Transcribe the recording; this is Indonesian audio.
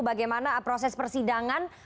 bagaimana proses persidangan